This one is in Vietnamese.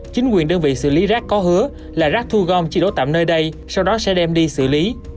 chính quyền đơn vị xử lý rác có hứa là rác thu gom chi đổ tạm nơi đây sau đó sẽ đem đi xử lý